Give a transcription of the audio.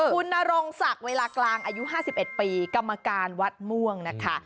คุณนรงศักดิ์เวลากลางอายุ๕๑ปีกรรมการวัดม่วงนะคะ